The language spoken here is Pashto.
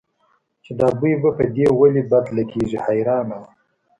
چې دا بوی به په دې ولې بد لګېږي حیرانه وه.